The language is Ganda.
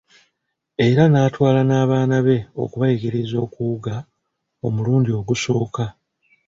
Era n'atwala n'abaana be okubayigiriza okuwuga omulundi ogusooka.